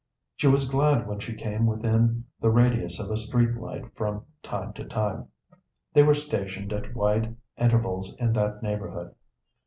She was glad when she came within the radius of a street light from time to time; they were stationed at wide intervals in that neighborhood.